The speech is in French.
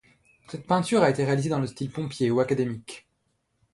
Cette peinture a été réalisée dans le style pompier ou académique.